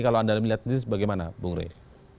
kalau anda lihat ini bagaimana bung rey